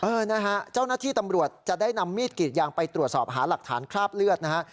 นะฮะเจ้าหน้าที่ตำรวจจะได้นำมีดกรีดยางไปตรวจสอบหาหลักฐานคราบเลือดนะฮะ